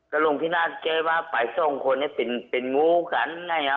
หลวงพินาทแกว่าไปส่งคนเป็นหมู่กัน